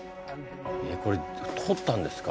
これ掘ったんですか？